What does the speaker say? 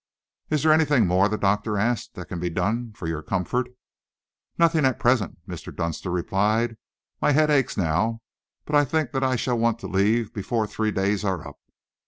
"Is there anything more," the doctor asked, "that can be done for your comfort?" "Nothing at present," Mr. Dunster replied. "My head aches now, but I think that I shall want to leave before three days are up.